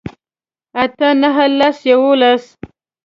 اتۀ نهه لس يوولس